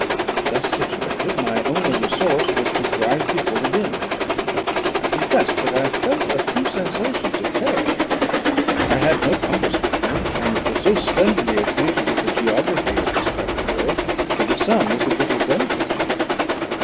Thus situated, my only resource was to drive before the wind. I confess that I felt a few sensations of terror. I had no compass with me, and was so slenderly acquainted with the geography of this part of the world, that the sun was of little benefit to me.